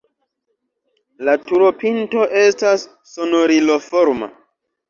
La turopinto estas sonoriloforma.